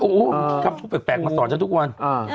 โอ้โหคำพูดแปลกมาสอนฉันทุกวัน